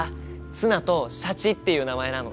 ツナとシャチっていう名前なの。